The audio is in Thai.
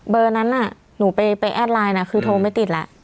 เบอร์นั้นน่ะหนูไปแอดไลน์นะคือโทรไม่ติดแล้ว